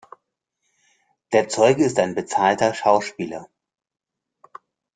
Der Zeuge ist ein bezahlter Schauspieler.